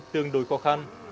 tương đối khó khăn